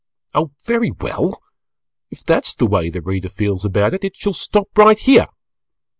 The Reader. Oh, very well! If that's the way the Reader feels about it it shall stop right here.